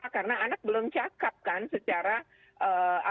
karena anak belum cakap kan secara apa